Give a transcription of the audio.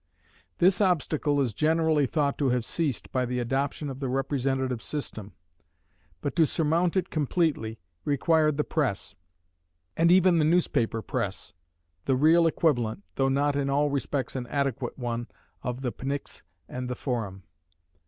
This obstacle is generally thought to have ceased by the adoption of the representative system. But to surmount it completely, required the press, and even the newspaper press, the real equivalent, though not in all respects an adequate one, of the Pnyx and the Forum.